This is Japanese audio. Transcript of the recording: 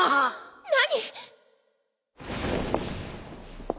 何？